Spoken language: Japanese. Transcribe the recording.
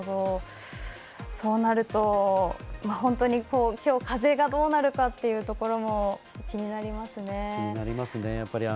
そうなると、本当にきょう風がどうなるかっていうところも気になりますね。